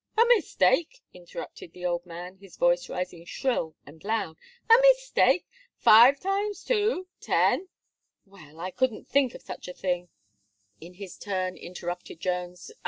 "A mistake!" interrupted the old man, his voice rising shrill and loud. "A mistake! five times two, ten " "Well, but I couldn't think of such a thing," in his turn interrupted Jones.